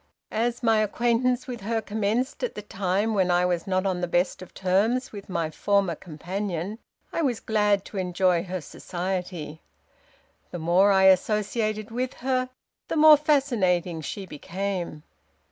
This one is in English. As my acquaintance with her commenced at the time when I was not on the best of terms with my former companion, I was glad to enjoy her society. The more I associated with her the more fascinating she became.